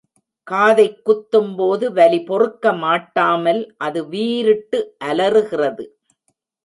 காதைக் குத்தும்போது வலி பொறுக்க மாட்டாமல் அது வீரிட்டு அலறுகிறது.